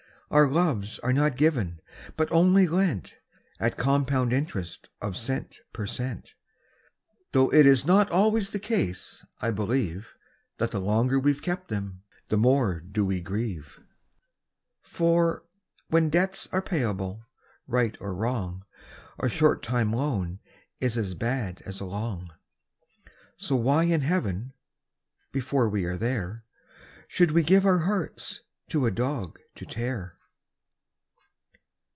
Our loves are not given, but only lent, At compound interest of cent per cent. Though it is not always the case, I believe, That the longer we've kept 'em, the more do we grieve: For, when debts are payable, right or wrong, A short time loan is as bad as a long So why in Heaven (before we are there!) Should we give our hearts to a dog to tear?